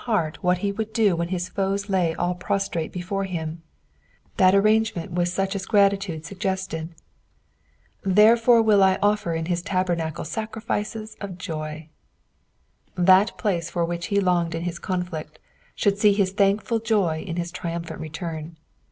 Ueart wh&t be would do when his foes lay all prostrate before him ; that amnge ment was Buch as gratitude sugeested. " Ther^ore wiU I off»r in hi$ tabernadt taerifiett of }oy." That place for which he longed in his conflict, should see his thankful joj in his triumphant return.